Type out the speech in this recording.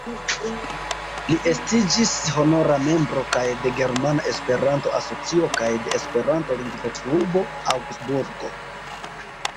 Li estiĝis honora membro kaj de Germana Esperanto-Asocio kaj de Esperanto-Lingvoklubo Aŭgsburgo.